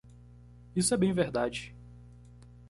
Isso é bem verdade.